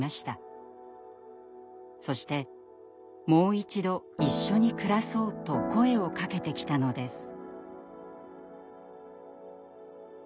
そして「もう一度一緒に暮らそう」と声をかけてきたのです。